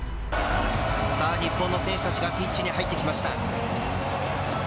さあ、日本の選手たちがピッチに入ってきました。